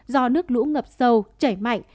do nước lũ ngập sâu chảy mạnh